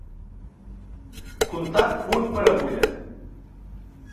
Contar punt per agulla.